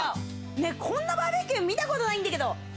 こんなバーベキュー見たことないんだけど。